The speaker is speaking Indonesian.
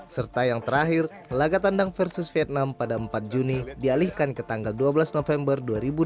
serta yang terakhir laga tandang versus vietnam pada empat juni dialihkan ke tanggal dua belas november dua ribu dua puluh